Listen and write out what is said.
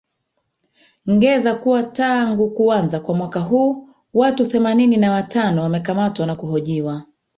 ngeza kuwa tangu kuanza kwa mwaka huu watu themanini na watano wamekamatwa na kuhojiwa